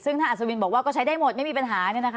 ซึ่งถ้าอัศวินบอกว่าก็ใช้ได้หมดไม่มีปัญหา